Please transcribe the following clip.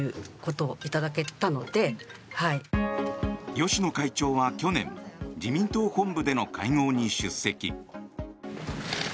芳野会長は去年自民党本部での会合に出席。